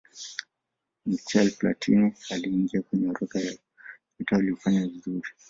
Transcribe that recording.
michael platin aliingia kwenye orodha ya nyota waliofanya vizuri